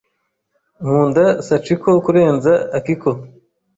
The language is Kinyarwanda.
Nkunda Sachiko kurenza Akiko.